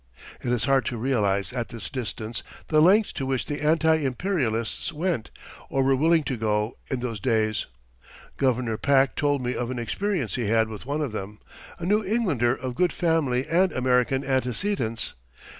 It is hard to realize at this distance the lengths to which the anti imperialists went, or were willing to go, in those days. Governor Pack told me of an experience he had with one of them a New Englander of good family and American antecedents.